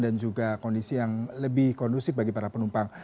dan juga kondisi yang lebih kondusif bagi para penumpang